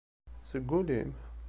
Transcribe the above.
Seg ul-im?